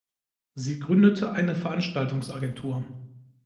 Sie gründete eine Veranstaltungs-Agentur.